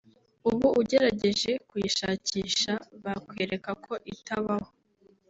ubu ugerageje kuyishakisha bakwereka ko itabaho